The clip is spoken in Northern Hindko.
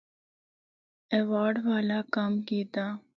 ایوارڈ والا کم کیتا۔